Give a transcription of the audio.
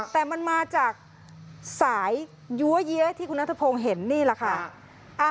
แต่มันมาจากสายยั้วเย้ที่คุณนัทพงศ์เห็นนี่แหละค่ะ